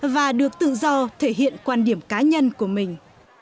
và được tự do thể hiện quan điểm cá nhân của mình